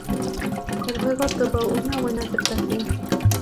El juego tuvo una buena aceptación.